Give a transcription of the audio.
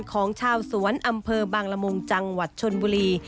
ของชาวสวนอำเภอบางละมุงจังหวัดชนบุรี